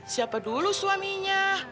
siapa dulu suaminya